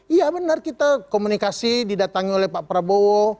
iya benar kita komunikasi didatangi oleh pak prabowo